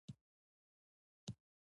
بیولوژي یا ژوند پوهنه د ساینس کومه برخه ده